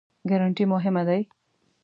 ګارنټي مهمه دی؟